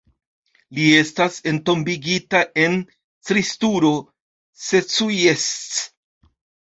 Li estas entombigita en Cristuru Secuiesc.